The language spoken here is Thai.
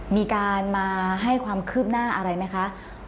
มีการมาให้ความคืบหน้าอะไรไหมคะ